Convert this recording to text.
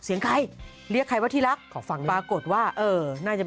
เออเดี๋ยวก็ฝันคุม